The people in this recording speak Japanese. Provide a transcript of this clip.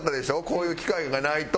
こういう機会がないと。